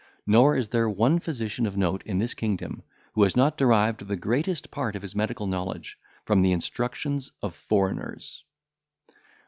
Nor is there one physician of note in this kingdom who has not derived the greatest part of his medical knowledge from the instructions of foreigners."